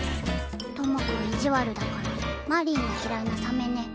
トモくん意地悪だからマリンの嫌いなサメね。